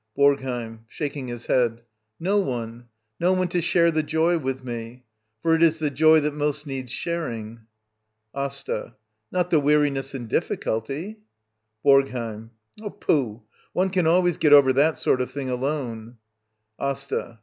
BoRGHEiM. [Shaking his head.] No one. No . onc^to share the joy with me. For it is the joy that *^ost needs sharing. AsTA. Not the weariness and diflSculty? BoRGHEiM. Pooh! — One can always get over that sort of thing alone. AsTA.